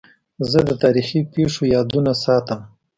زه د تاریخي پېښو یادونه ساتم.